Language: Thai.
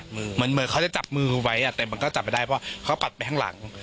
เหมือนเขาจะจับมือไว้แต่มันก็จับไม่ได้เพราะเขาปัดไปข้างหลัง